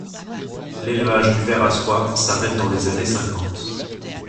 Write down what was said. L'élevage du ver à soie s'arrête dans les années cinquante.